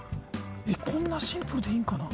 こんなシンプルでいいんかな。